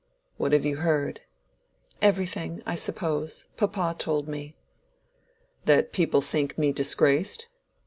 "What have you heard?" "Everything, I suppose. Papa told me." "That people think me disgraced?"